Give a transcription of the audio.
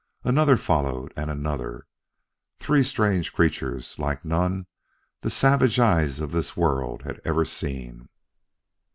Another followed, and another three strange creatures like none the savage eyes of this world had ever seen.